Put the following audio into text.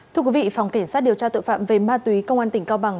thưa quý vị phòng kiểm soát điều tra tội phạm về ma túy công an tỉnh cao bằng